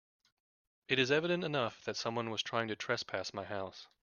It is evident enough that someone was trying to trespass my house.